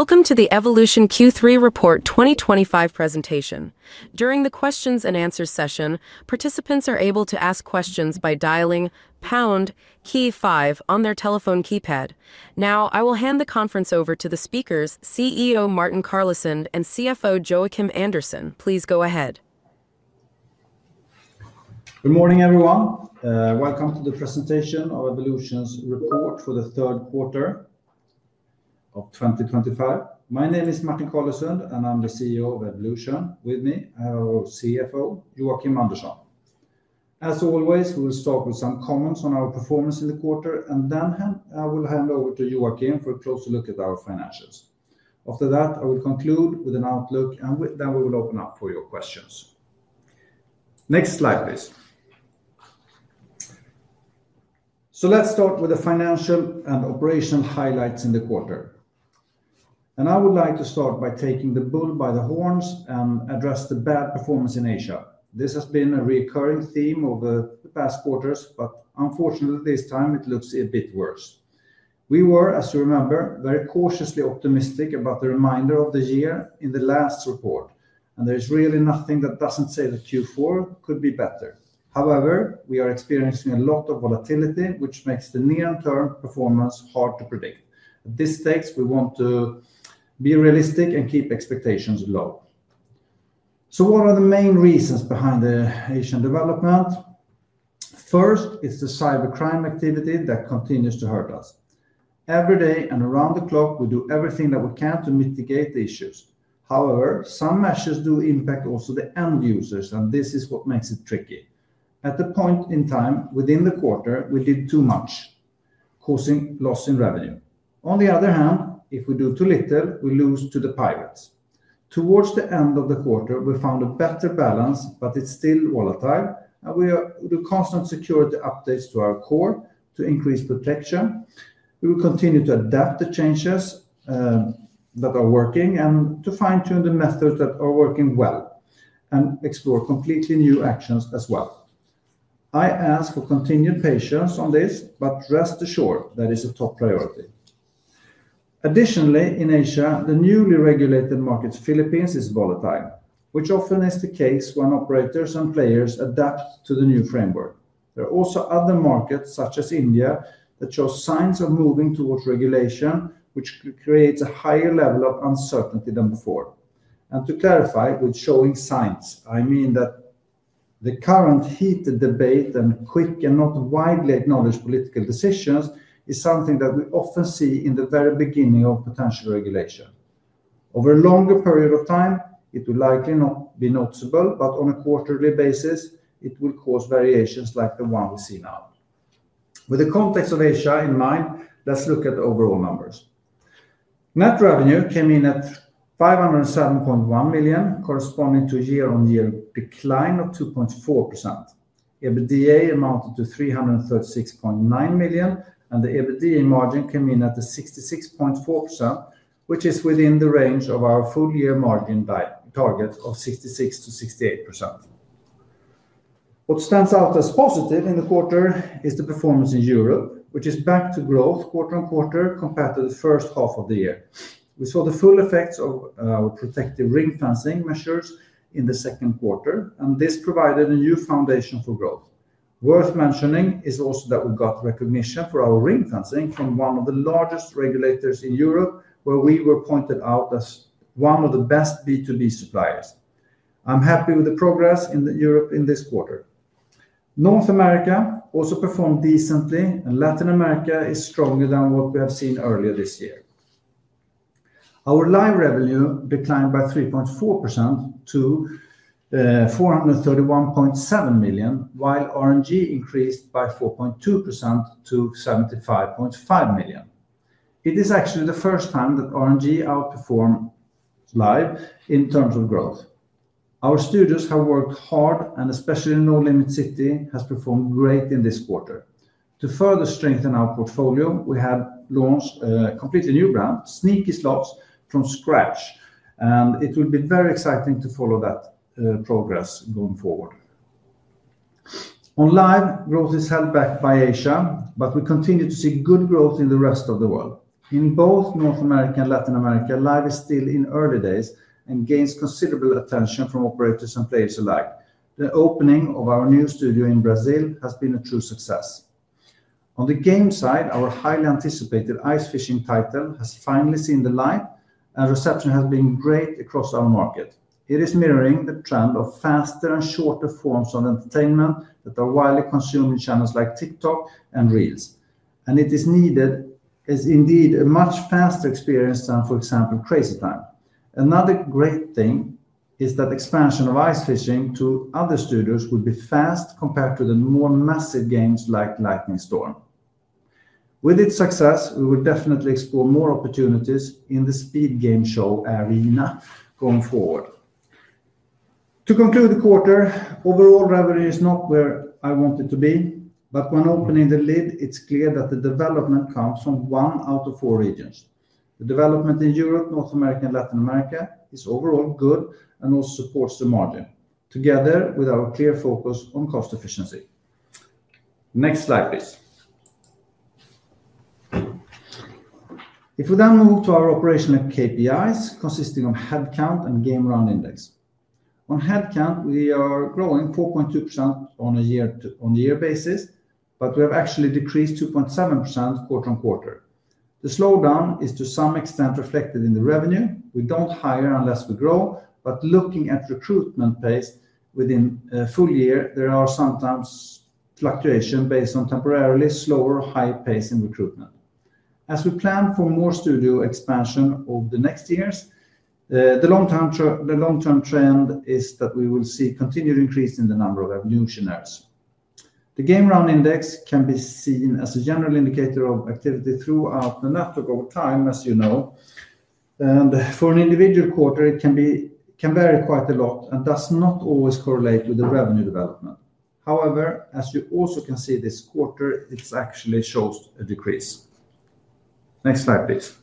Welcome to the Evolution Q3 Report 2025 presentation. During the questions and answers session, participants are able to ask questions by dialing pound key five on their telephone keypad. Now I will hand the conference over to the speakers, CEO Martin Carlesund and CFO Joakim Andersson. Please go ahead. Good morning everyone. Welcome to the presentation of Evolution's report for the third quarter of 2025. My name is Martin Carlesund and I'm the CEO of Evolution. With me I have our CFO Joakim Andersson. As always, we will start with some comments on our performance in the quarter and then I will hand over to Joakim again for a closer look at our financials. After that I will conclude with an outlook and then we will open up for your questions. Next slide please. Let's start with the financial and operational highlights in the quarter. I would like to start by taking the bull by the horns and address the bad performance in Asia. This has been a recurring theme over the past quarters, but unfortunately this time it looks a bit worse. We were, as you remember, very cautiously optimistic about the remainder of the year in the last report and there's really nothing that doesn't say that Q4 could be better. However, we are experiencing a lot of volatility which makes the near-term performance hard to predict. At this stage we want to be realistic and keep expectations low. What are the main reasons behind the Asian development? First, it's the cybercrime activity that continues to hurt us every day and around the clock. We do everything that we can to mitigate issues. However, some measures do impact also the end users and this is what makes it tricky. At a point in time within the quarter we did too much, causing loss in revenue. On the other hand, if we do too little, we lose to the pirates. Towards the end of the quarter we found a better balance, but it's still volatile and we do constant security updates to our core to increase protection. We will continue to adapt the changes that are working and to fine-tune the methods that are working well and explore completely new actions as well. I ask for continued patience on this, but rest assured that it is a top priority. Additionally, in Asia, the newly regulated market Philippines is volatile, which often is the case when operators and players adapt to the new framework. There are also other markets such as India that show signs of moving towards regulation, which creates a higher level of uncertainty than before. To clarify with showing signs, I mean that the current heated debate and quick and not widely acknowledged political decisions is something that we often see in the very beginning of potential regulation over a longer period of time. It will likely not be noticeable, but on a quarterly basis it will cause variations like the one we see now. With the context of Asia in mind, let's look at overall numbers. Net revenue came in at 507.1 million, corresponding to year-on-year decline of 2.4%. EBITDA amounted to 336.9 million and the EBITDA margin came in at 66.4%, which is within the range of our full-year margin target of 66% to 68%. What stands out as positive in the quarter is the performance in Europe, which is back to growth quarter-on-quarter compared to the first half of the year. We saw the full effects of our protective ring-fencing measures in the second quarter, and this provided a new foundation for growth. Worth mentioning is also that we got recognition for our ring-fencing from one of the largest regulators in Europe, where we were pointed out as one of the best B2B suppliers. I'm happy with the progress in Europe in this quarter. North America also performed decently, and Latin America is stronger than what we have seen. Earlier this year, our Live revenue declined by 3.4% to 431.7 million while RNG increased by 4.2% to 75.5 million. It is actually the first time that RNG outperformed Live in terms of growth. Our studios have worked hard and especially Nolimit City has performed great in this quarter. To further strengthen our portfolio, we have launched a completely new brand, Sneaky Slots from scratch, and it will be very exciting to follow that progress going forward. On Live, growth is held back by Asia, but we continue to see good growth in the rest of the world. In both North America and Latin America, Live is still in early days and gains considerable attention from operators and players alike. The opening of our new studio in Brazil has been a true success. On the game side, our highly anticipated Ice Fishing title has finally seen the light and reception has been great across our market. It is mirroring the trend of faster and shorter forms of entertainment that are widely consumed in channels like TikTok and Reels, and it is needed as indeed a much faster experience than, for example, Crazy Time. Another great thing is that expansion of Ice Fishing to other studios would be fast compared to the more massive games like Lightning Storm. With its success, we will definitely explore more opportunities in the speed game show arena going forward. To conclude the quarter, overall revenue is not where I want it to be, but when opening the lid it's clear that the development comes from one out of four regions. The development in Europe, North America, and Latin America is overall good and also supports the margin together with our clear focus on cost efficiency. Next slide please. If we then move to our operational KPIs consisting of headcount and Game Round Index. On headcount we are growing 4.2% on a year-on-year basis, but we have actually decreased 2.7% quarter-on-quarter. The slowdown is to some extent reflected in the revenue. We don't hire unless we grow, but looking at recruitment pace within a full year, there are sometimes fluctuations based on temporarily slower high pace in recruitment. As we plan for more studio expansion over the next years, the long-term trend is that we will see continued increase in the number of revolutionaries. The Game Round Index can be seen as a general indicator of activity throughout the network over time, as you know, and for an individual quarter it can vary quite a lot and does not always correlate with the revenue development. However, as you also can see this quarter, it actually shows a decrease. Next slide please.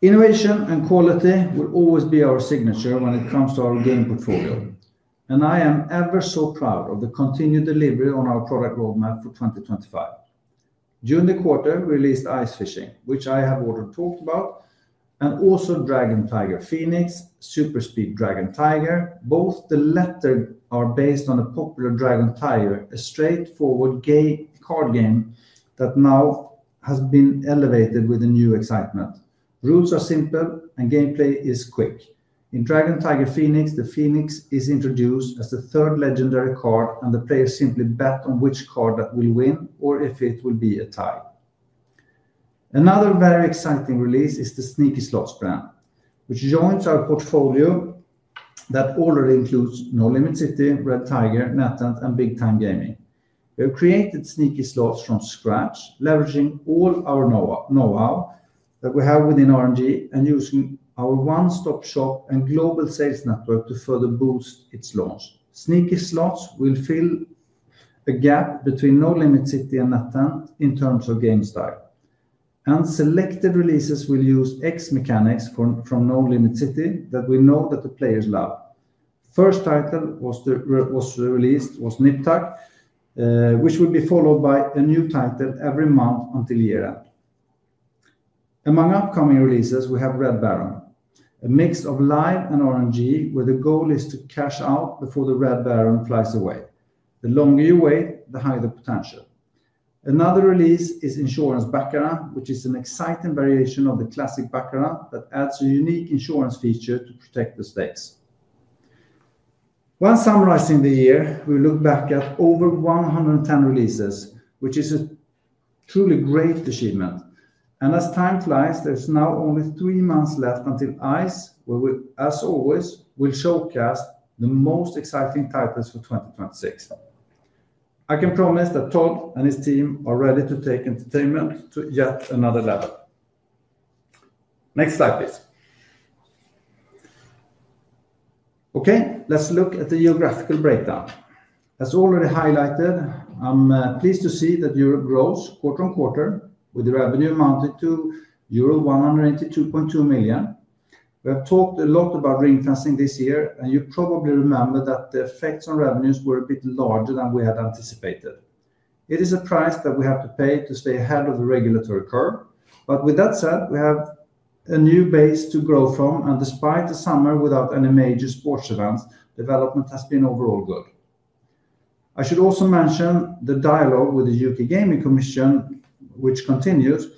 Innovation and quality will always be our signature when it comes to our game portfolio and I am ever so proud of the continued delivery on our product roadmap for 2025. During the quarter we released Ice Fishing, which I have already talked about, and also Dragon Tiger Phoenix, Super Speed Dragon Tiger. Both the latter are based on a popular Dragon Tiger, a straightforward game card game that now has been elevated with a new excitement. Rules are simple and gameplay is quick in Dragon Tiger Phoenix. The Phoenix is introduced as the third legendary card and the players simply bet on which card will win or if it will be a tie. Another very exciting release is the Sneaky Slots brand which joins our portfolio that already includes Nolimit City, Red Tiger, NetEnt, and Big Time Gaming. We have created Sneaky Slots from scratch, leveraging all our know-how that we have within RNG and using our One Stop Shop and global sales network to further boost its launch. Sneaky Slots will fill a gap between Nolimit City and NetEnt in terms of game style and selected releases will use X mechanics from Nolimit City that we know that the players love. First title released was Nip Tuck which will be followed by a new title every month until year end. Among upcoming releases we have Red Baron, a mix of Live and RNG games where the goal is to cash out before the Red Baron flies away. The longer you wait, the higher the potential. Another release is Insurance Baccarat, which is an exciting variation of the classic Baccarat that adds a unique insurance feature to protect the stakes. When summarizing the year, we look back at over 110 releases, which is a truly great achievement. As time flies, there's now only three months left until Ice, as always, will showcase the most exciting titles for 2026. I can promise that Todd and his team are ready to take entertainment to yet another lap. Next slide, please. Okay, let's look at the geographical breakdown as already highlighted. I'm pleased to see that Europe grows quarter on quarter with the revenue amounted to euro 182.2 million. We have talked a lot about referencing this year and you probably remember that the effects on revenues were a bit larger than we had anticipated. It is a price that we have to pay to stay ahead of the regulatory curve. With that said, we have a new base to grow from, and despite the summer without any major sports events, development has been overall good. I should also mention the dialogue with the U.K. Gaming Commission, which continues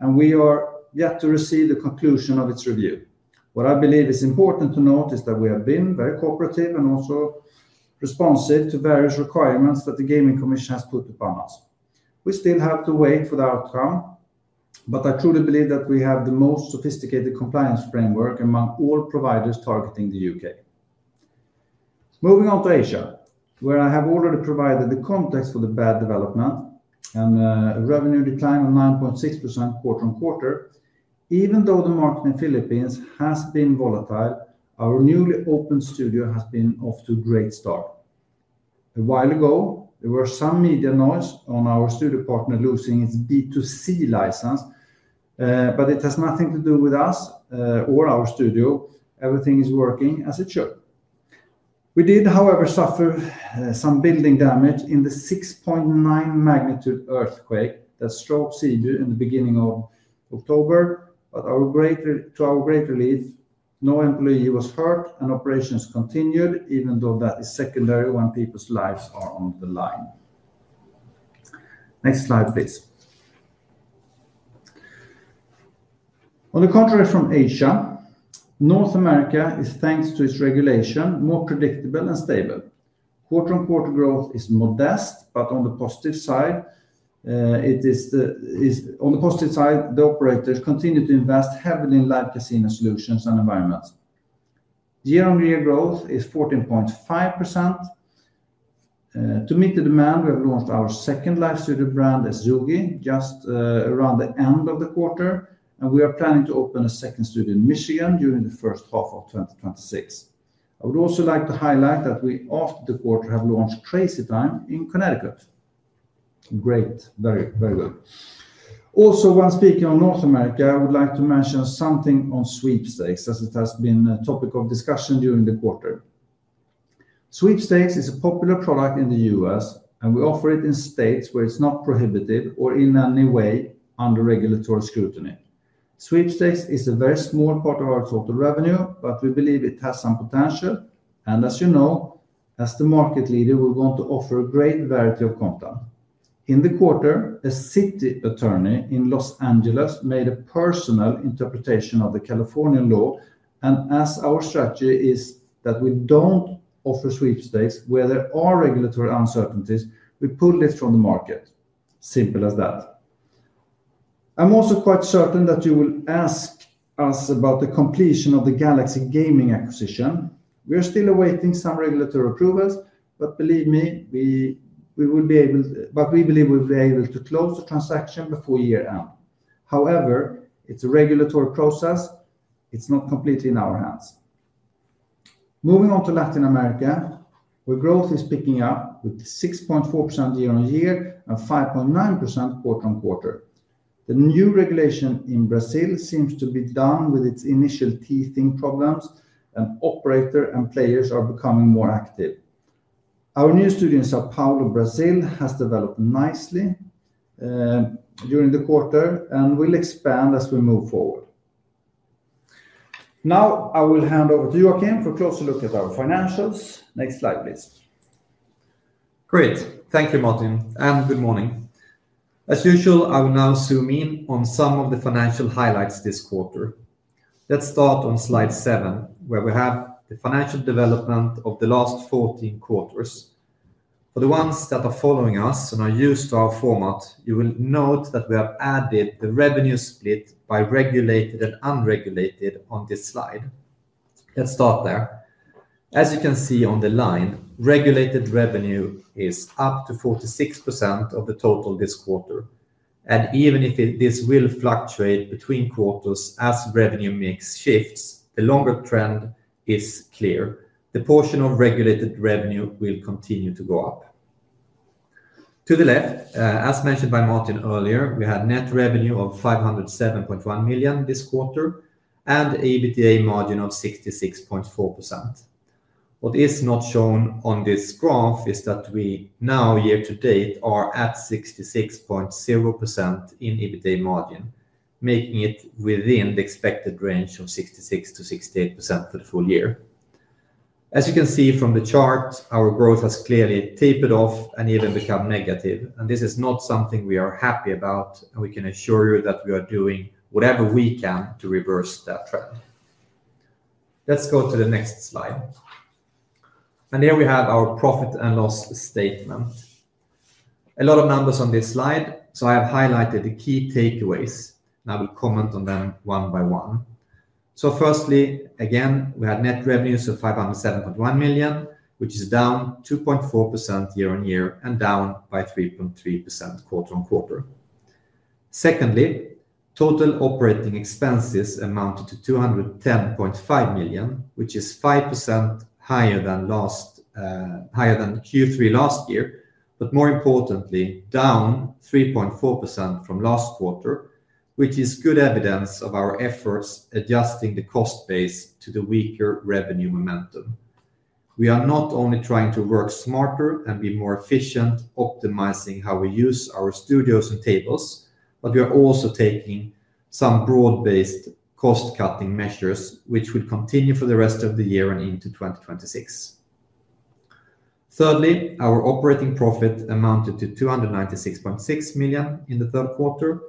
and we are yet to receive the conclusion of its review. What I believe is important to note is that we have been very cooperative and also responsive to various requirements that the Gaming Commission has put up. We still have to wait for the outcome, but I truly believe that we have the most sophisticated compliance framework among all providers targeting the U.K. Moving on to Asia, where I have already provided the context for the bad development and revenue decline of 9.6% quarter on quarter. Even though the market in the Philippines has been volatile, our newly opened studio has been off to a great start. A while ago there was some media noise on our studio partner losing its B2C license, but it has nothing to do with us or our studio. Everything is working as it should. We did, however, suffer some building damage in the 6.9 magnitude earthquake that struck Cebu in the beginning of October. No employee was hurt and operations continued, even though that is secondary when people's lives are on the line. Next slide please. On the contrary from Asia, North America is, thanks to its regulation, more predictable and stable. Quarter on quarter growth is modest, but on the positive side, it is the positive side. The operators continue to invest heavily in Live casino solutions and environments. Year on year growth is 14.5%. To meet the demand, we have launched our second live studio brand Ezugi just around the end of the quarter and we are planning to open a second studio in Michigan during the first half of 2026. I would also like to highlight that we after the quarter have launched Crazy Time in Connecticut. Great. Very, very good. Also, when speaking on North America I would like to mention something on sweepstakes as it has been a topic of discussion during. Sweepstakes is a popular product in the U.S. and we offer it in states where it's not prohibited or in any way under regulatory scrutiny. Sweepstakes is a very small part of our total revenue, but we believe it has some potential and as you know, as the market leader, we want to offer a great variety of content in the quarter. A city attorney in Los Angeles made a personal interpretation of the California law and as our strategy is that we don't offer sweepstakes where there are regulatory uncertainties, we pull it from the market. Simple as that. I'm also quite certain that you will ask us about the completion of the Galaxy Gaming acquisition. We are still awaiting some regulatory approvals, but we believe we'll be able to close the transaction before year end. However, it's a regulatory process. It's not completely in our hands. Moving on to Latin America where growth is picking up with 6.4% year on year and 5.9% quarter on quarter. The new regulation in Brazil seems to be done with its initial teething problems and operators and players are becoming more active. Our new studio, São Paulo, Brazil has developed nicely during the quarter and will expand as we move forward. Now I will hand over to Joakim for a closer look at our financials. Next slide please. Great. Thank you Martin and good morning. As usual, I will now zoom in on some of the financial highlights this quarter. Let's start on slide seven where we have the financial development of the last 14 quarters. For the ones that are following us and are used to our format, you will note that we have added the revenue split by regulated and unregulated on this slide. Let's start there. As you can see on the line, regulated revenue is up to 46% of the total this quarter. Even if this will fluctuate between quarters as revenue mix shifts, the longer trend is clear, the portion of regulated revenue will continue to go up to the left. As mentioned by Martin earlier, we had net revenue of 507.1 million this quarter and EBITDA margin of 66.4%. What is not shown on this graph is that we now year to date are at 66.0% in EBITDA margin, making it within the expected range of 66%-68% for the full year. As you can see from the chart, our growth has clearly tapered off and even become negative. This is not something we are happy about and we can assure you that we are doing whatever we can to reverse that trend. Let's go to the next slide and here we have our profit and loss statement. A lot of numbers on this slide, so I have highlighted the key takeaways and I will comment on them one by one. Firstly, again we had net revenues of 507.1 million which is down 2.4% year on year and down by 3.3% quarter on quarter. Secondly, total operating expenses amounted to 210.5 million which is 5% higher than Q3 last year, but more importantly down 3.4% from last quarter which is good evidence of our efforts adjusting the cost base to the weaker revenue momentum. We are not only trying to work smarter and be more efficient optimizing how we use our studios and tables, but we are also taking some broad based cost cutting measures which will continue for the rest of the year and into 2026. Thirdly, our operating profit amounted to 296.6 million in the third quarter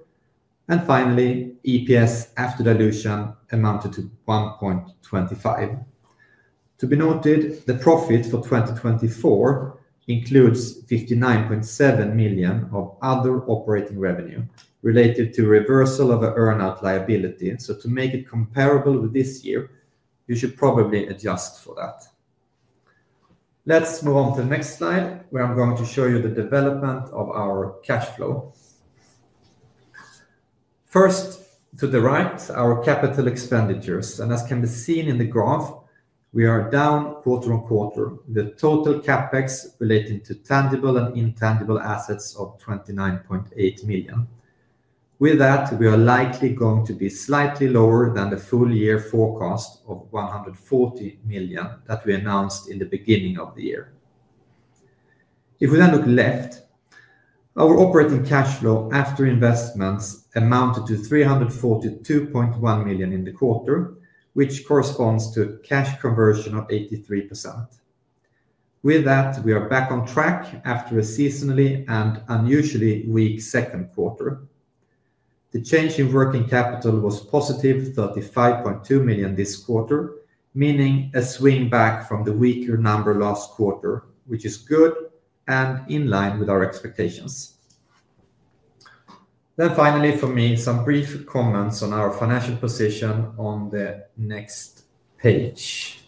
and finally EPS after dilution amounted to 1.25. To be noted, the profit for 2024 includes 59.7 million of other operating revenue related to reversal of an earn out liability. To make it comparable with this year you should probably adjust for that. Let's move on to the next slide where I'm going to show you the development of our cash flow. First to the right, our capital expenditures and as can be seen in the graph we are down quarter on quarter, the total CapEx relating to tangible and intangible assets of 29.8 million. With that, we are likely going to be slightly lower than the full year forecast of 140 million that we announced in the beginning of the year. If we then look left, our operating cash flow after investments amounted to 342.1 million in the quarter, which corresponds to a cash conversion of 83%. With that, we are back on track after a seasonally and unusually weak second quarter. The change in working capital was positive 35.2 million this quarter, meaning a swing back from the weaker number last quarter, which is good and in line with our expectations. Finally, some brief comments on our financial position on the next page.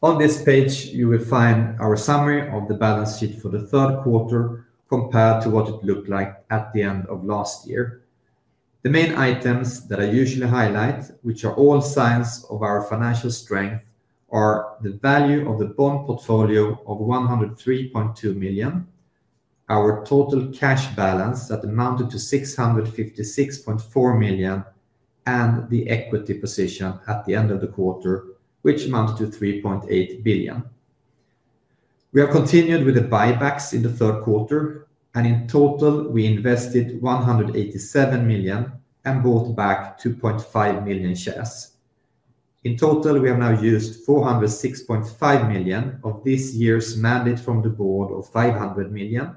On this page, you will find our summary of the balance sheet for the third quarter compared to what it looked like at the end of last year. The main items that I usually highlight, which are all signs of our financial strength, are the value of the bond portfolio of 103.2 million, our total cash balance that amounted to 656.4 million, and the equity position at the end of the quarter, which amounted to 3.8 billion. We have continued with the buybacks in the third quarter and in total we invested 187 million and bought back 2.5 million shares. In total, we have now used 406.5 million of this year's mandate from the board of 500 million.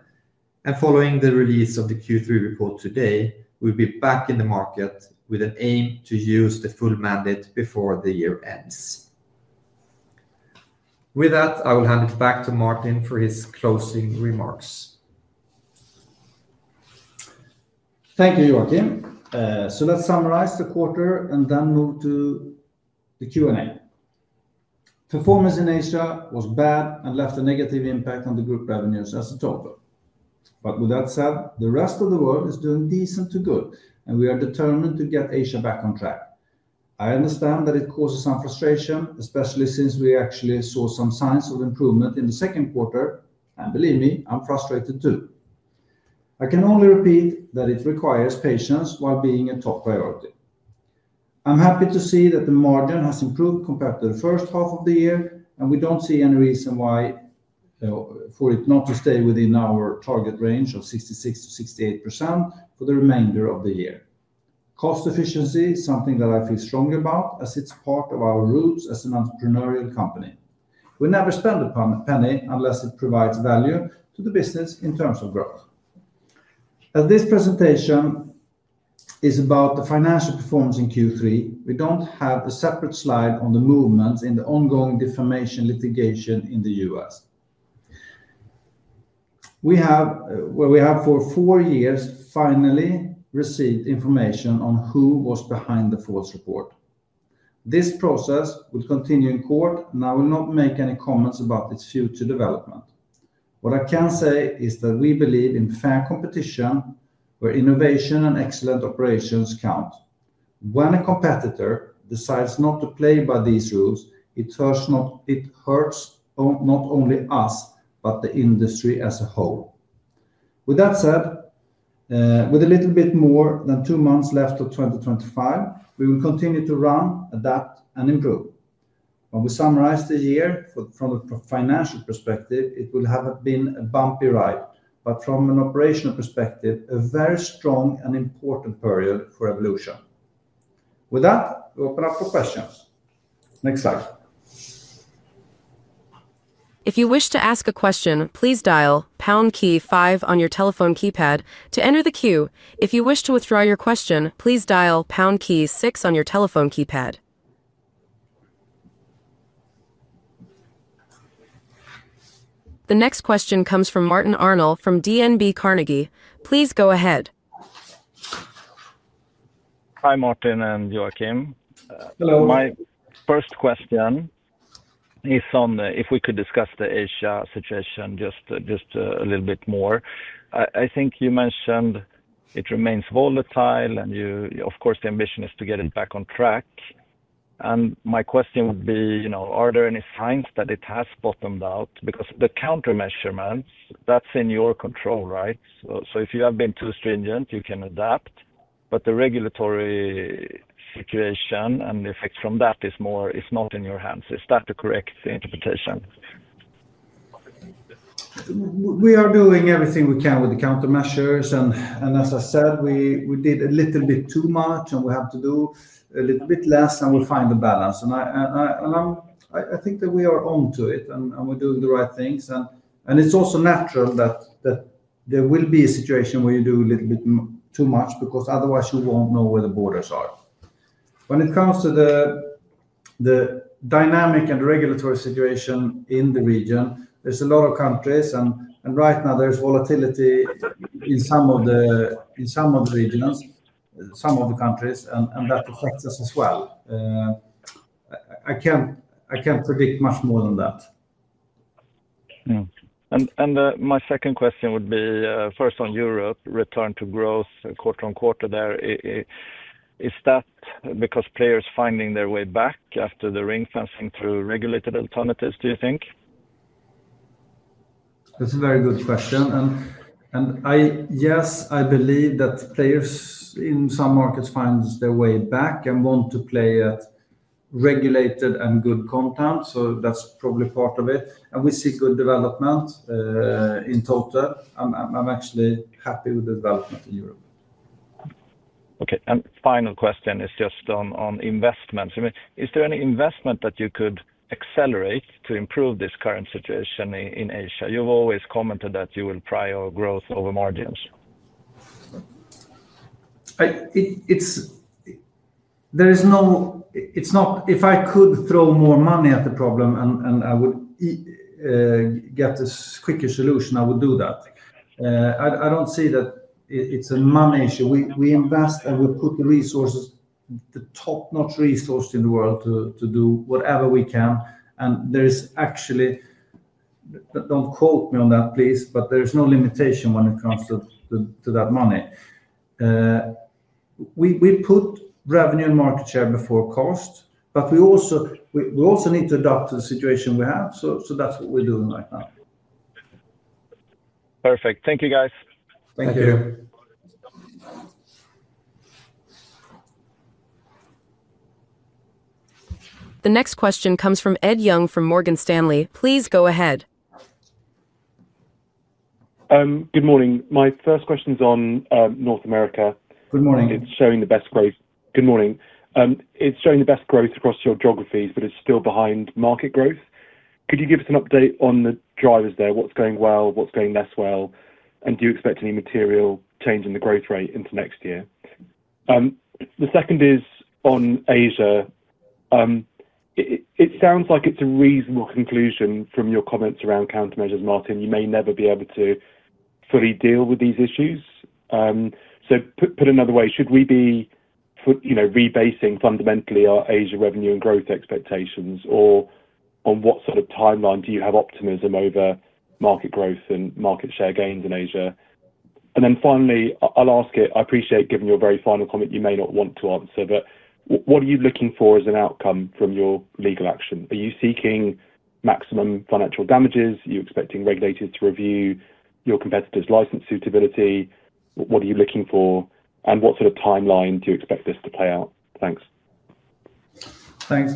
Following the release of the Q3 report today, we'll be back in the market with an aim to use the full mandate before the year ends. With that, I will hand it back to Martin for his closing remarks. Thank you, Joakim. Let's summarize the quarter and then move to the Q and A. Performance in Asia was bad and left a negative impact on the group revenues as a total. With that said, the rest of the world is doing decent to good and we are determined to get Asia back on track. I understand that it causes some frustration, especially since we actually saw some signs of improvement in the second quarter. Believe me, I'm frustrated too. I can only repeat that it requires patience while being a top priority. I'm happy to see that the margin has improved compared to the first half of the year, and we don't see any reason for it not to stay within our target range of 66%-68% for the remainder of the year. Cost efficiency is something that I feel strongly about as it's part of our roots as an entrepreneurial company. We never spend a penny unless it provides value to the business in terms of growth. As this presentation is about the financial performance in Q3, we don't have a separate slide on the movements in the ongoing defamation litigation in the U.S. We have for four years finally received information on who was behind the false report. This process will continue in court and I will not make any comments about its future development. What I can say is that we believe in fair competition where innovation and excellent operations count. When a competitor decides not to play by these rules, it hurts not only us, but the industry as a whole. With that said, with a little bit more than two months left of 2025, we will continue to run, adapt and improve. When we summarize this year, from a financial perspective, it will have been a bumpy ride, but from an operational perspective, a very strong and important period for Evolution. With that, we open up for questions. Next slide. If you wish to ask a question, please dial on your telephone keypad to enter the queue. If you wish to withdraw your question, please dial six on your telephone keypad. The next question comes from Martin Arnell from DNB Carnegie. Please go ahead. Hi Martin and Joakim. Hello. My first question is on if we could discuss the Asia situation just a little bit more. I think you mentioned it remains volatile and of course the ambition is to get it back on track. My question would be, you know, are there any signs that it has bottomed out? The countermeasurements, that's in your control, right? If you have been too stringent, you can adapt. The regulatory situation and the effects from that is more, is not in your hands. Is that the correct interpretation? We are doing everything we can with the countermeasures. As I said, we did a little bit too much and we have to do a little bit less and we'll find the balance. I think that we are onto it and we're doing the right things. It's also natural that there will be a situation where you do a little bit too much because otherwise you won't know where the borders are. When it comes to the dynamic and regulatory situation in the region, there's a lot of countries and right now there's volatility in some of the regions, some of the countries and that affects us as well. I can't predict much more than that. My second question would be first on Europe. Return to growth quarter on quarter there, is that because players finding their way back after the ring-fencing through regulated alternatives, do you think? That's a very good question. Yes, I believe that players in some markets find their way back and want to play at regulated and good content. That's probably part of it. We see good development in total. I'm actually happy with the development in Europe. Okay. Final question is just on investments, is there any investment that you could accelerate to improve this current situation in Asia? You've always commented that you will prior growth over margins. There is no, it's not. If I could throw more money at the problem and I would get this quicker solution, I would do that. I don't see that it's a money issue. We invest and we put the resources, the top notch resource in the world to do whatever we can. There is actually. Quote me on that please. There's no limitation when it comes to that money. We put revenue and market share before cost. We also need to adapt to the situation we have. That's what we're doing right now. Perfect. Thank you, guys. Thank you. The next question comes from Ed Young from Morgan Stanley, please go ahead. Good morning. My first question is on North America. Good morning. It's showing the best growth. Good morning. It's showing the best growth across your geographies, but it's still behind market growth. Could you give us an update on the drivers there? What's going well, what's going less well, and do you expect any material change in the growth rate into next year? The second is on Asia. It sounds like it's a reasonable conclusion from your comments around countermeasures. Martin, you may never be able to fully deal with these issues. Put another way, should we be rebasing fundamentally our Asia revenue and growth expectations, or on what sort of timeline do you have optimism over market growth and market share gains in Asia? Finally, I'll ask it. I appreciate, given your very final comment, you may not want to answer, but what are you looking for as an outcome from your legal action? Are you seeking maximum financial damages? Are you expecting regulators to review your competitors' license suitability? What are you looking for, and what sort of timeline do you expect this to play out? Thanks,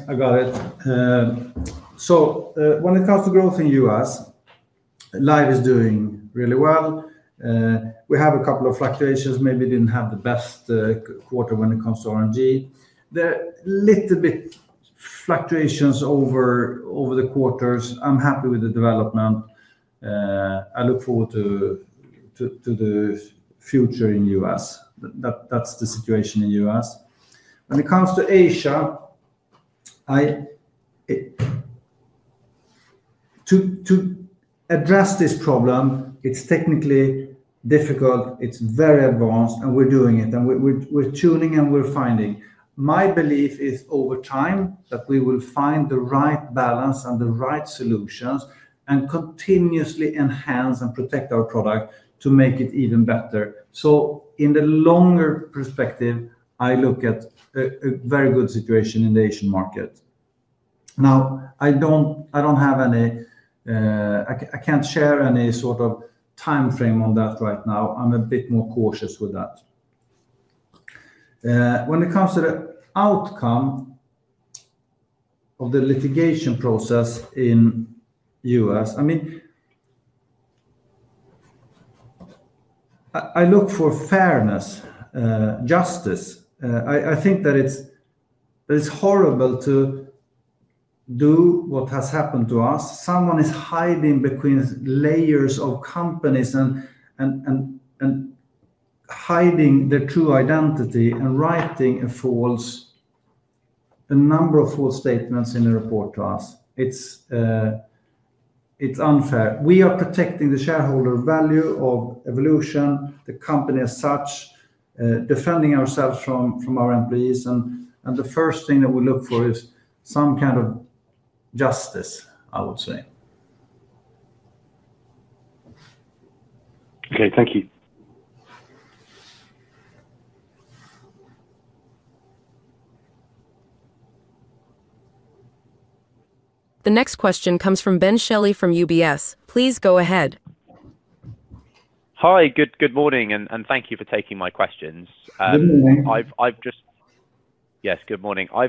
I got it. When it comes to growth in U.S. Live is doing really well. We have a couple of fluctuations, maybe didn't have the best quarter when it comes to RNG, a little bit of fluctuations over the quarters. I'm happy with the development. I look forward to the future in U.S., that's the situation in U.S. when it comes to Asia. To address this problem. It's technically difficult, it's very advanced and we're doing it, we're tuning and we're finding. My belief is over time that we will find the right balance and the right solutions and continuously enhance and protect our product to make it even better. In the longer perspective, I look at a very good situation in the Asian market. I don't have any, I can't share any sort of time frame on that right now. I'm a bit more cautious with that when it comes to the outcome of the litigation process in the U.S. I mean, I look for fairness, justice. I think that it's horrible to do what has happened to us. Someone is hiding between layers of companies and hiding their true identity and writing a number of false statements in a report. To us, we are protecting the shareholder value of Evolution, the company as such, defending ourselves from our employees. The first thing that we look for is some kind of justice, I would say. Okay, thank you. The next question comes from Ben Shelley from UBS. Please go ahead. Good morning, and thank you for taking my questions. I've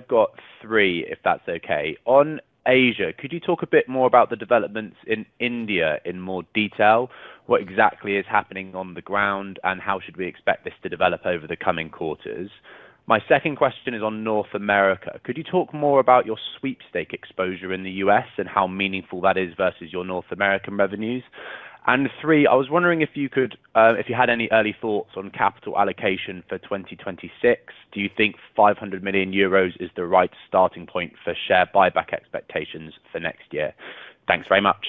got three, if that's okay. On Asia, could you talk a bit more about the developments in India in more detail? What exactly is happening on the ground and how should we expect this to develop over the coming quarters? My second question is on North America. Could you talk more about your sweepstakes exposure in the U.S. and how meaningful that is versus your North American revenues? Three, I was wondering if you could, if you had any early thoughts on capital allocation for 2026, do you think 500 million euros is the right starting point for share buyback expectations for next year? Thanks very much.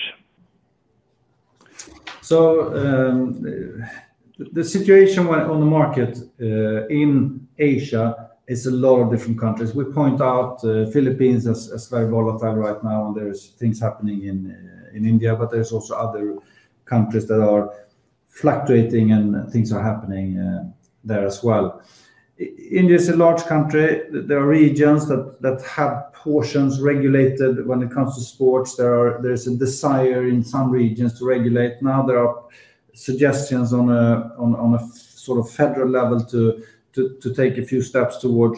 The situation on the market in Asia is a lot of different countries. We point out the Philippines as very volatile right now, and there are things happening in India, but there are also other countries that are fluctuating and things are happening there as well. India is a large country. There are regions that have portions regulated when it comes to sports. There is a desire in some regions to regulate. Now there are suggestions on a sort of federal level to take a few steps towards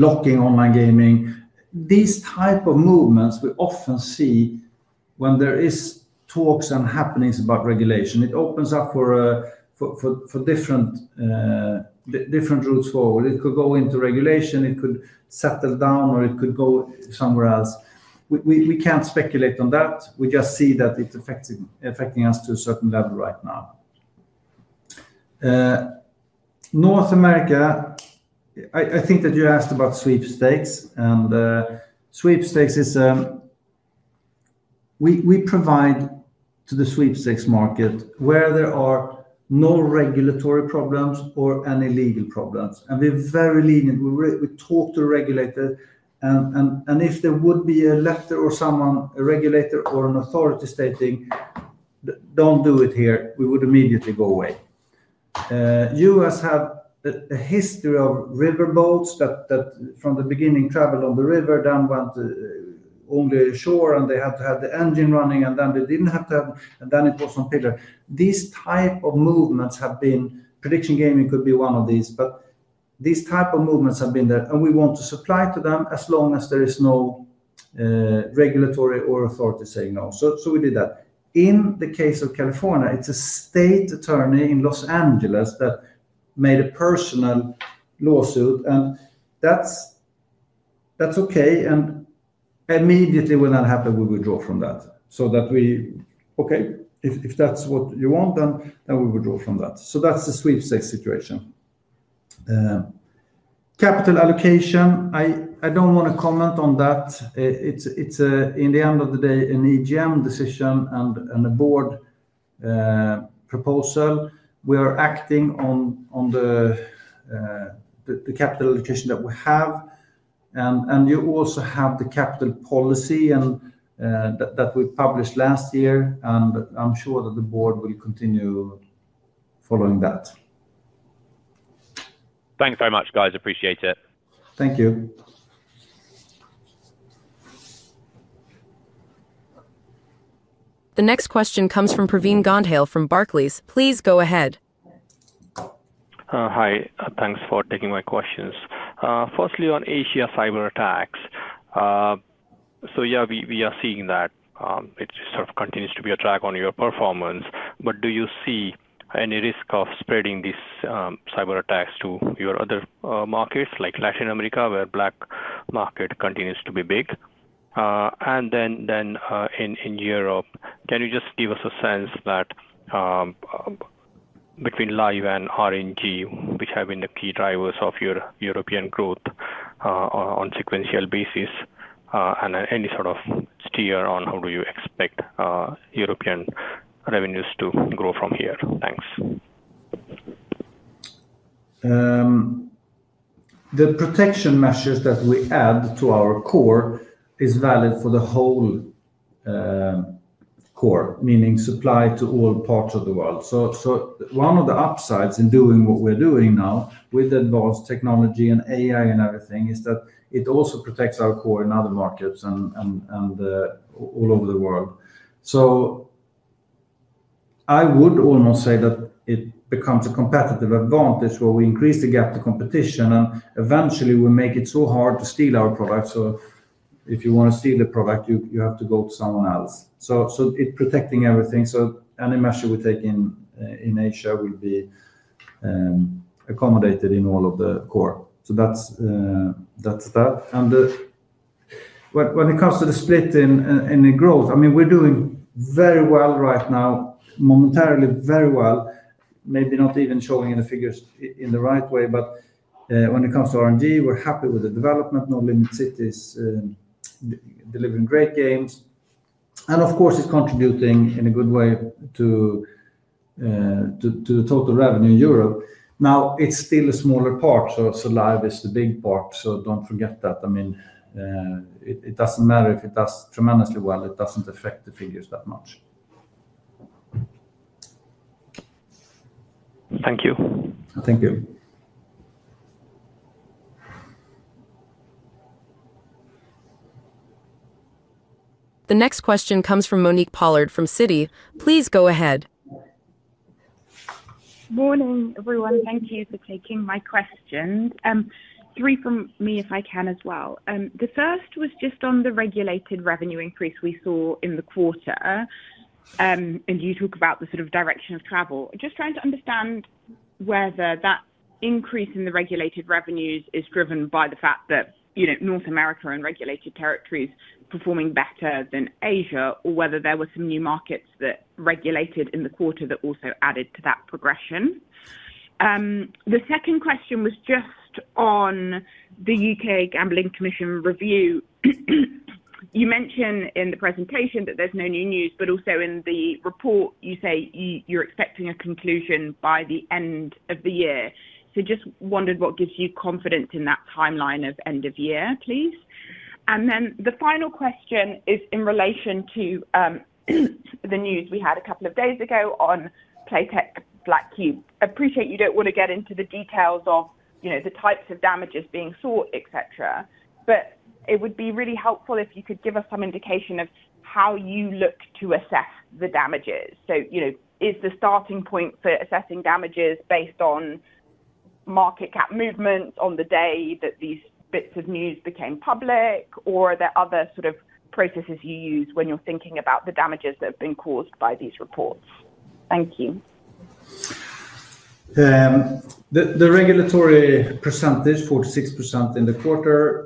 blocking online gaming. These types of movements we often see when there are talks and happenings about regulation. It opens up for different routes forward. It could go into regulation, it could settle down, or it could go somewhere else. We can't speculate on that. We just see that it's affecting us to a certain level right now. North America, I think that you asked about sweepstakes, and sweepstakes is we provide to the sweepstakes market where there are no regulatory problems or any legal problems, and we're very lenient. We talk to regulators, and if there would be a left or someone, a regulator or an authority stating don't do it here, we would immediately go away. The U.S. has a history of riverboats that from the beginning traveled on the river, then went only ashore, and they had to have the engine running, and then they didn't have to have, and then it was on pillar. These types of movements have been prediction. Gaming could be one of these. These types of movements have been there, and we want to supply to them as long as there is no regulatory or authority saying no. We did that. In the case of California, it's a state attorney in Los Angeles that made a personal lawsuit, and that's okay. Immediately when that happens, we withdraw from that so that we, okay, if that's what you want, then we withdraw from that. That's the sweepstakes situation. Capital allocation, I don't want to comment on that. It's, in the end of the day, an EGM decision and a board proposal. We are acting on the capital allocation that we have. You also have the capital policy that we published last year, and I'm sure that the board will continue following that. Thanks very much, guys. Appreciate it. Thank you. The next question comes from Pravin Gondhale from Barclays. Please go ahead. Hi. Thanks for taking my questions. Firstly, on Asia cyber attacks. We are seeing that it continues to be a drag on your performance, but do you see any risk of spreading these cyber attacks to your other markets, like Latin America, where black market continues to be big, and then in Europe? Can you just give us a sense that between Live and RNG games, which have been the key drivers of your European growth on a sequential basis, and any sort of steer on how you expect European revenues to grow from here? Thanks. The protection measures that we add to our core are valid for the whole core, meaning supply to all parts of the world. One of the upsides in doing what we're doing now with advanced technology and AI and everything is that it also protects our core in other markets and all over the world. I would almost say that it becomes a competitive advantage where we increase the gap to competition and eventually we make it so hard to steal our products. If you want to see the product, you have to go to someone else. It is protecting everything. Any measure we take in Asia will be accommodated in all of the core. That's that. When it comes to the split in and the growth, I mean, we're doing very well right now, momentarily. Very well. Maybe not even showing in the figures in the right way, but when it comes to RNG, we're happy with the development, Nolimit City is delivering great games. Of course it's contributing in a good way to the total revenue in Europe. Now it's still a smaller part, so Live is the big part. Don't forget that. I mean, it doesn't matter if it does tremendously well. It doesn't affect the figures that much. Thank you. Thank you. The next question comes from Monique Pollard from Citi. Please go ahead. Morning, everyone. Thank you for taking my question, three from me, if I can as well. The first was just on the regulated revenue increase we saw in the quarter. You talk about the sort of direction of travel. Just trying to understand whether that increase in the regulated revenues is driven by the fact that, you know, North America and regulated territories performing better than Asia or whether there were some new markets that regulated in the quarter that also added to that progression. The second question was just on the U.K. Gambling Commission review. You mentioned in the presentation that there's no new news, but also in the report you say you're expecting a conclusion by the end of the year. Just wondered what gives you confidence in that timeline of end of year, please. The final question is in relation to the news we had a couple of days ago on Playtech, Black Cube. Appreciate you don't want to get into the details of, you know, the types of damages being sought, etc. It would be really helpful if you could give us some indication of how you look to assess the damages. Is the starting point for assessing damages based on market cap movements on the day that these bits of news became public, or are there other sort of processes you use when you're thinking about the damages that have been caused by these reports? Thank you. The regulatory percentage, 46% in the quarter.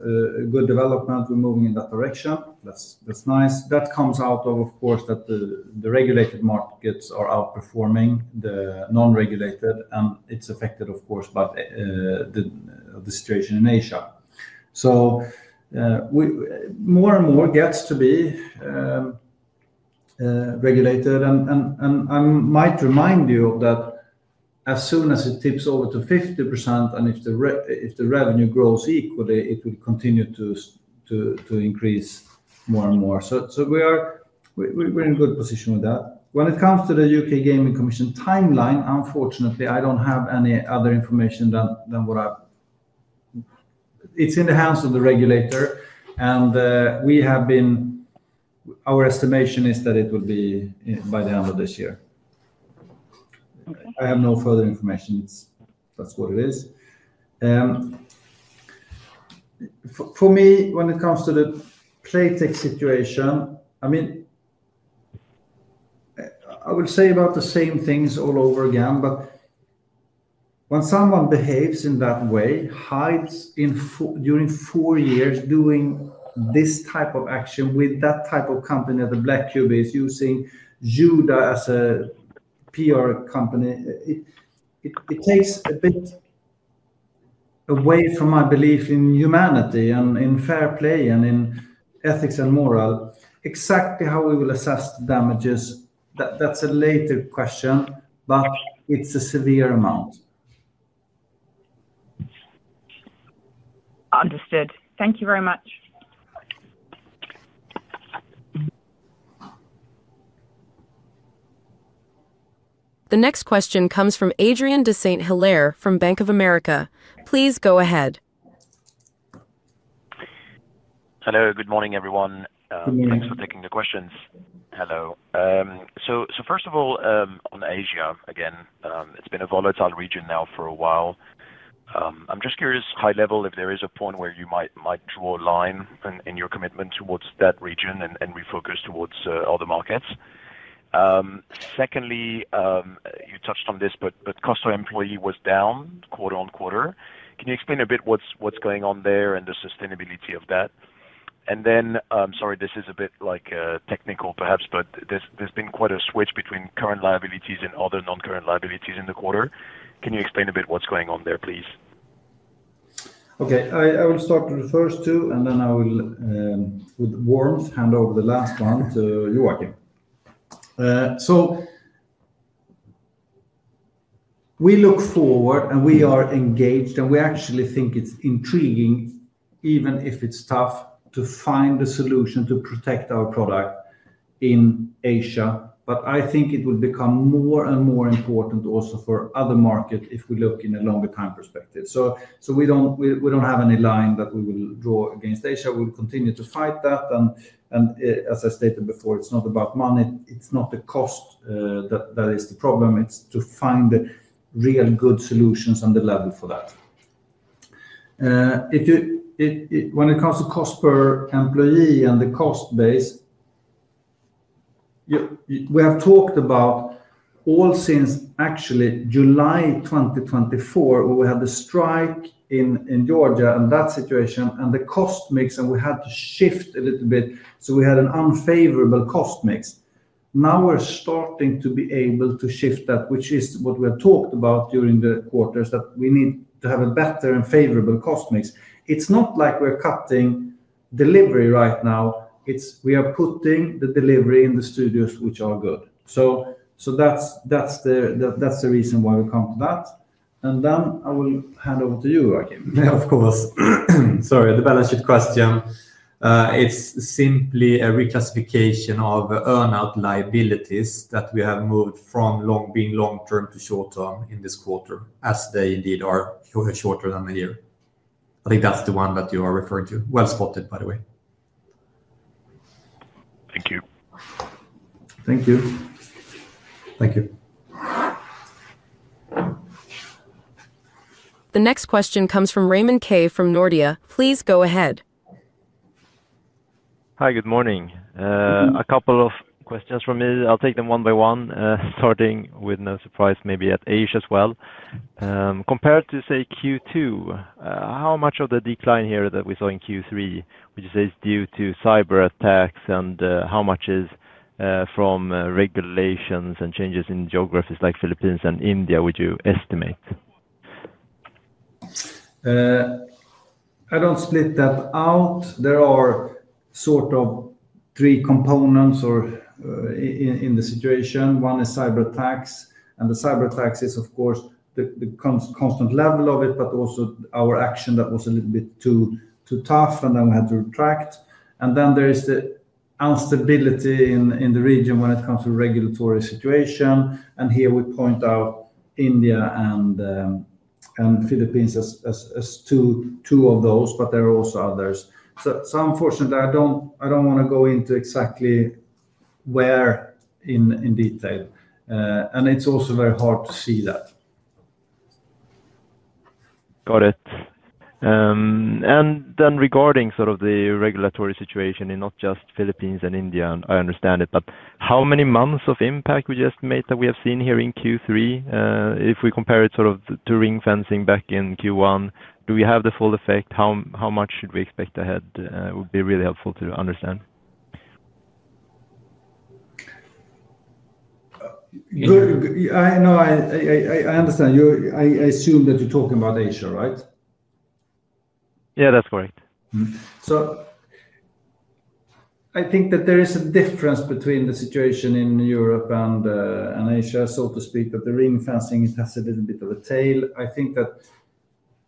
Good development. We're moving in that direction. That's nice. That comes out of, of course, that the regulated markets are outperforming the non-regulated and it's affected, of course, by the situation in Asia. We more and more get to be regulated and I might remind you that as soon as it tips over to 50% and if the revenue grows equally it will continue to increase more and more. We are in a good position with that when it comes to the UK Gaming Commission timeline. Unfortunately, I don't have any other information than what I have. It's in the hands of the regulator and we have been. Our estimation is that it will be by the end of this year. I have no further information. That's what it is for me when it comes to the Playtech situation. I mean, I will say about the same things all over again but when someone behaves in that way, hides in during four years doing this type of action with that type of company and that Black Cube is using Juda as a PR company. It takes a bit away from my belief in humanity and in fair play and in ethics and moral. Exactly how we will assess the damages, that's a later question but it's a severe amount. Understood, thank you very much. The next question comes from Adrien de Saint Hilaire from Bank of America. Please go ahead. Hello, good morning everyone. Thanks for taking the questions. First of all, on Asia again, it's been a volatile region now for a while. I'm just curious, high level, if there is a point where you might draw a line in your commitment towards that region and refocus towards other markets. Secondly, you touched on this, but cost of employee was down quarter on quarter. Can you explain a bit what's going on there and the sustainability of that? Sorry, this is a bit technical perhaps, but there's been quite a switch between current liabilities and other non-current liabilities in the quarter. Can you explain a bit what's going on there, please? Okay, I will start with first two and then I will, with warmth, hand over the last one to Joakim. So, we look forward and we are engaged and we actually think it's intriguing, even if it's tough to find a solution to protect our product in Asia. I think it will become more and more important also for other markets if we look in a longer time perspective. We don't have any line that we will draw against Asia. We'll continue to fight that. As I stated before, it's not about money. It's not the cost that is the problem. It's to find the real good solutions and the level for that. When it comes to cost per employee and the cost base, we have talked about all since actually July 2024. We had the strike in Georgia and that situation and the cost mix and we had to shift a little bit. We had an unfavorable cost mix. Now we're starting to be able to shift that, which is what we talked about during the quarters, that we need to have a better and favorable cost mix. It's not like we're cutting delivery right now. We are putting the delivery in the studios, which are good. That's the reason why we come to that. I will hand over to you, Joakim. Of course, sorry. The balance sheet question, it's simply a reclassification of earnout liabilities that we have moved from being long term to short term in this quarter, as they indeed are shorter than a year. I think that's the one that you are referring to. Well spotted, by the way. Thank you. Thank you. Thank you. The next question comes from Raymond Ke from Nordea. Please go ahead. Hi, good morning. A couple of questions from me. I'll take them one by one, starting with no surprise, maybe at Asia as well, compared to say Q2. How much of the decline here that we saw in Q3, which is due to cybercrime, and how much is from regulations and changes in geographies like the Philippines and India, would you estimate? I don't split that out. There are sort of three components in the situation. One is cyber attacks, and the cyber attacks is of course the constant level of it. Also, our action that was a little bit too tough, and then we had to retract. There is the instability in the region when it comes to regulatory situation. Here we point out India and Philippines as two of those, but there are also others. Unfortunately, I don't want to go into exactly where in detail, and it's also very hard to see that. Got it. Regarding the regulatory situation in not just the Philippines and India, I understand it, but how many months of impact would you estimate that we have seen here in Q3? If we compare it during ring-fencing back in Q1, do we have the full effect? How much should we expect ahead? Would be really helpful to understand. I know. I understand. I assume that you're talking about Asia, right? Yeah, that's correct. I think that there is a difference between the situation in Europe and Asia, so to speak, that the ring-fencing has a little bit of a tail. I think that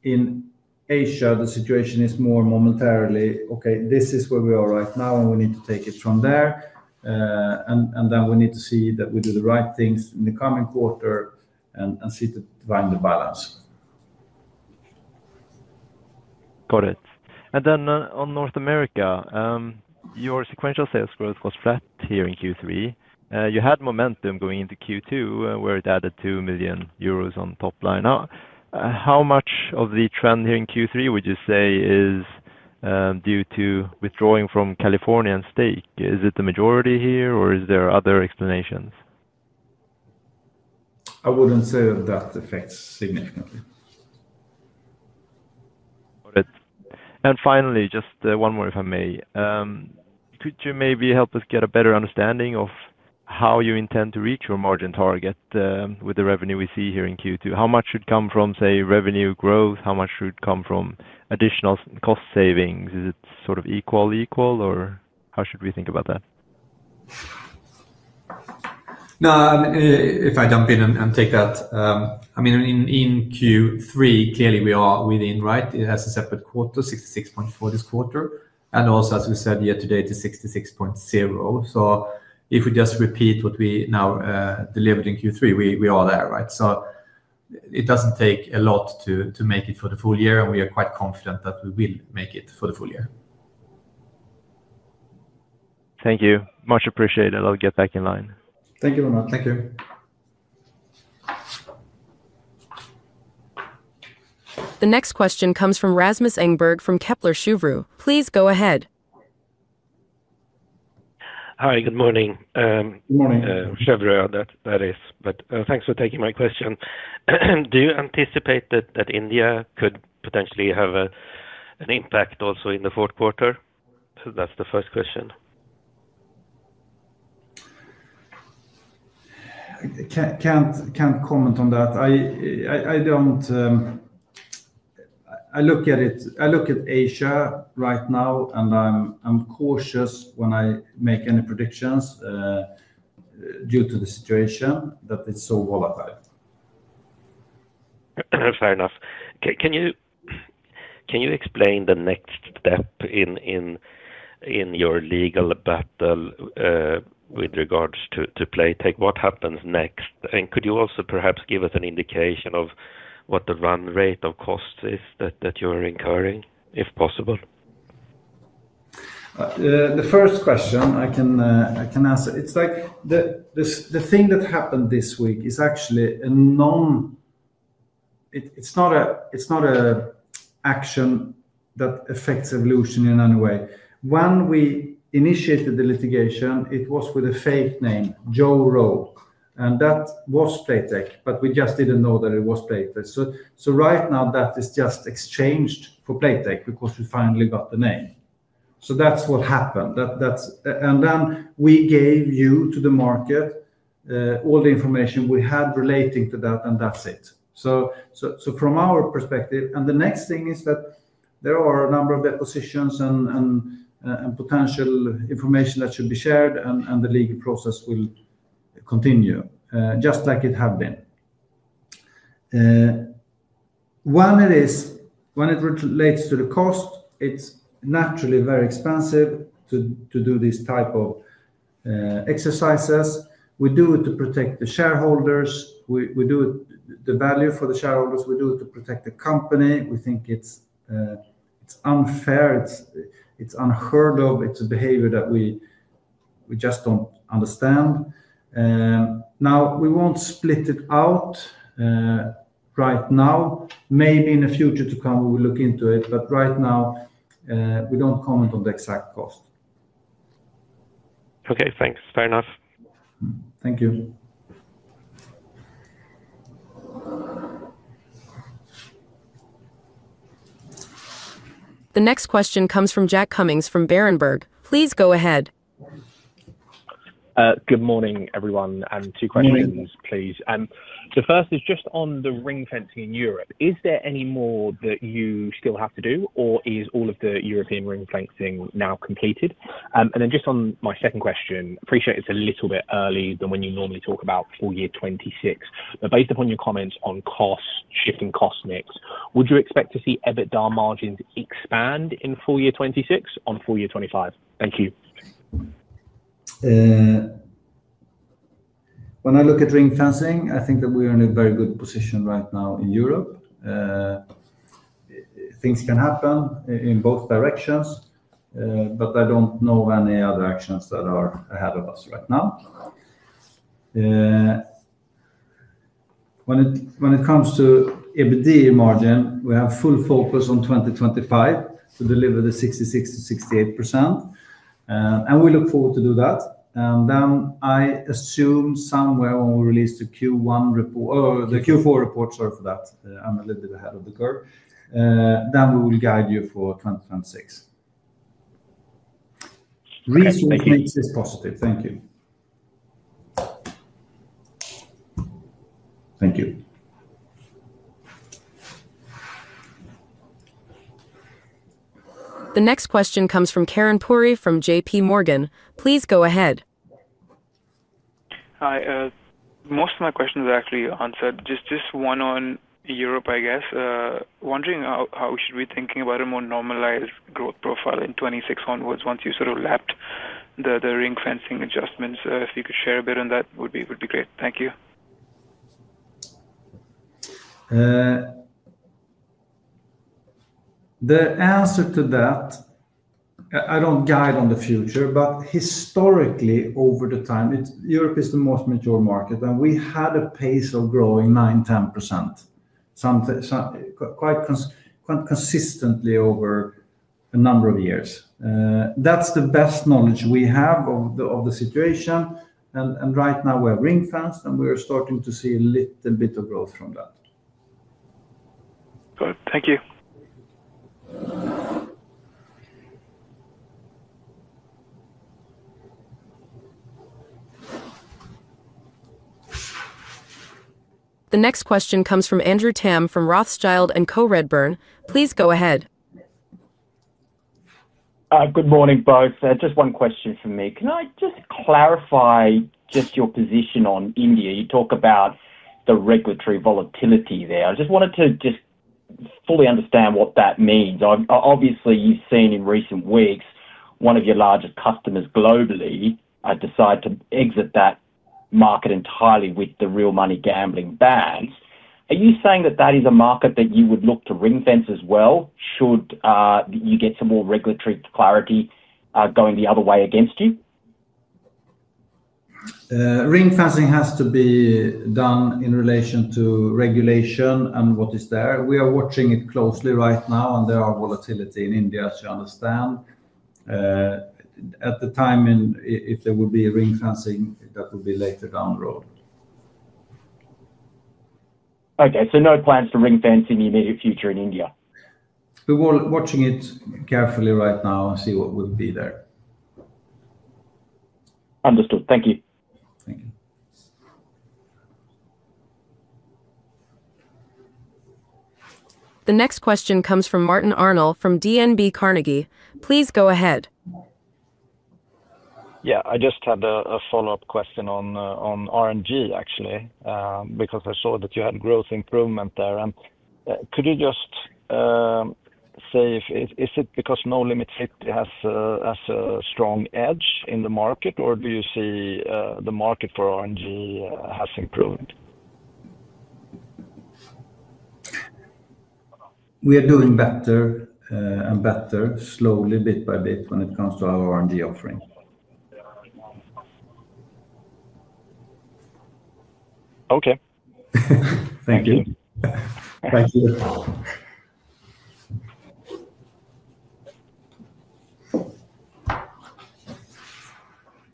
in Asia the situation is more momentarily. Okay, this is where we are right now and we need to take it from there. And. We need to see that we do the right things the coming quarter and see to find the balance. Got it. On North America, your sequential sales growth was flat here in Q3. You had momentum going into Q2 where it added 2 million euros. On top line, how much of the trend here in Q3 would you say is due to withdrawing from California and Stake? Is it the majority here, or are there other explanations? I wouldn't say that that affects significantly. Finally, just one more, if I may. Could you maybe help us get a better understanding of how you intend to reach your margin target with the revenue we see here in Q2? How much should come from, say, revenue growth? How much should come from additional cost savings? Is it sort of equal, or how should we think about that? If I jump in and take that, in Q3, clearly we are within. It has a separate quarter, 66.4% this quarter. Also, as we said, year to date is 66.0%. If we just repeat what we now delivered in Q3, we are there. It doesn't take a lot to make it for the full year. We are quite confident that we will make it for the full year. Thank you, much appreciated. I'll get back in line. Thank you very much. Thank you. The next question comes from Rasmus Engberg, from Kepler Cheuvreux. Please go ahead. Hi, good morning. Morning. Thanks for taking my question. Do you anticipate that India could potentially have an impact also in the fourth quarter? That's the first question. Can't comment on that. I look at Asia right now, and I'm cautious when I make any predictions due to the situation that it's so volatile. Fair enough. Can you explain the next step in your legal battle with regards to Playtech, what happens next? Could you also perhaps give us an indication of what the run rate of costs is that you are incurring, if possible? The first question I can answer. The thing that happened this week is actually a non. It's not an action that affects Evolution in any way. When we initiated the litigation, it was with a fake name, Joe Rowe, and that was Playtech, but we just didn't know that it was Playtech. Right now that is just exchanged for Playtech because we finally got the name. That's what happened. We gave to the market all the information we had relating to that and that's it from our perspective. The next thing is that there are a number of depositions and potential information that should be shared and the legal process will continue just like it has been. When it relates to the cost, it's naturally very expensive to do these types of exercises. We do it to protect the shareholders. We do the value for the shareholders. We do it to protect the company. We think it's unfair, it's unheard of. It's a behavior that we just don't understand. We won't split it out right now. Maybe in the future to come we will look into it, but right now we don't comment on the exact cost. Okay, thanks. Fair enough. Thank you. The next question comes from Jack Cummings from Berenberg. Please go ahead. Good morning, everyone. Two questions, please. The first is just on the ring-fencing in Europe. Is there any more that you still have to do, or is all of the European ring-fencing now completed? On my second question, appreciate it's a little bit earlier than when you normally talk about full year 2026, but based upon your comments on cost shifting, cost mix, would you expect to see EBITDA margins expand in full year 2026? On full year 2025? Thank you. When I look at ring-fencing, I think that we are in a very good position right now in Europe. Things can happen in both directions. I don't know any other actions that are ahead of us right now when it comes to EBITDA margin. We have full focus on 2025 to deliver the 66%-68%, and we look forward to do that. I assume somewhere when we release the Q1 report or the Q4 report—sorry for that, I'm a little bit ahead of the curve—we will guide you for 2026. Reason makes this positive. Thank you. Thank you. The next question comes from Karan Puri from JPMorgan. Please go ahead. Hi. Most of my questions actually answered, just one on Europe. I guess wondering how we should be thinking about a more normalized growth profile in 2026 onwards. Once you sort of lapped the ring-fencing adjustments, if you could share a bit on that, would be great. Thank you. The answer to that, I don't guide on the future, but historically over the time Europe is the most mature market, and we had a pace of growing 9%, 10% quite consistently over a number of years. That's the best knowledge we have of the situation. Right now we're ring-fencing, and we are starting to see a little bit of growth from that. Good, thank you. The next question comes from Andrew Tam from Rothschild & Co Redburn. Please go ahead. Good morning both. Just one question for me. Can I just clarify your position on India? You talk about the regulatory volatility there. I just wanted to fully understand what that means. Obviously you've seen in recent weeks one of your largest customers globally decided to exit that market entirely with the real money gambling bans. Are you saying that that is a market that you would look to ring-fence as well should you get some more regulatory clarity going the other way against you? Ring-fencing has to be done in relation to regulation and what is there. We are watching it closely right now, and there is volatility in India as you understand at the time. If there will be ring-fencing, that will be later down the road. Okay, so no plans to ring-fencing in the immediate future in India. We will watch it carefully right now and see what would be there. Understood, thank you. The next question comes from Martin Arnell from DNB Carnegie. Please go ahead. Yeah, I just had a follow-up question on RNG actually because I saw that you had growth improvement there. Could you just say is it because Nolimit City has a strong edge in the market, or do you see the market for RNG has improved? We are doing better and better, slowly, bit by bit, when it comes to our RNG offering. Okay, thank you. Thank you.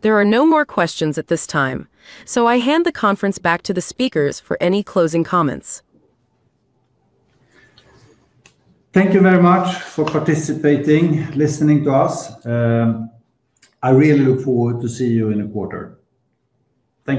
There are no more questions at this time, so I hand the conference back to the speakers for any closing comments. Thank you very much for participating, listening to us. I really look forward to see you in a quarter. Thank you.